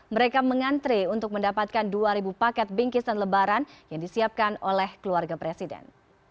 mereka mengantre untuk mendapatkan dua paket bingkisan lebaran yang disiapkan oleh keluarga presiden